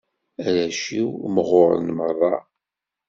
Arrac-iw mɣuren merra.